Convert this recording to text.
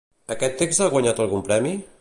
Aquest text ha guanyat algun premi?